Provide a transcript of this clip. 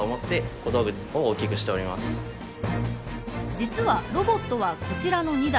実はロボットはこちらの２台。